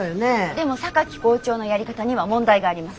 でも榊校長のやり方には問題があります。